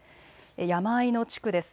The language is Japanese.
山あいの地区です。